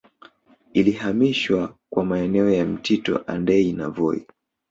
Ilihamishwa kwa maeneo ya Mtito Andei na Voi